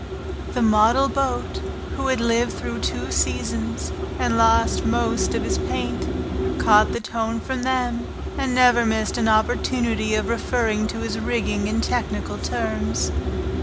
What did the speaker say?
The model boat, who had lived through two seasons and lost most of his paint, caught the tone from them and never missed an opportunity of referring to his rigging in technical terms.